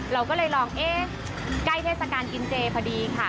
เราก็เลยลองเอ๊ะใกล้เทศกาลกินเจพอดีค่ะ